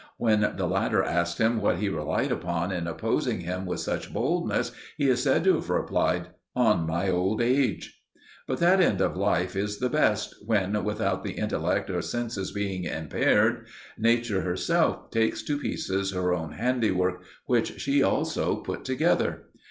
When the latter asked him what he relied upon in opposing him with such boldness, he is said to have replied, "On my old age." But that end of life is the best, when, without the intellect or senses being impaired, Nature herself takes to pieces her own handiwork which she also put together.